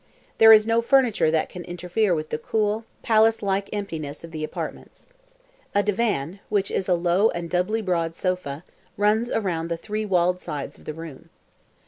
There is no furniture that can interfere with the cool, palace like emptiness of the apartments. A divan (which is a low and doubly broad sofa) runs round the three walled sides of the room.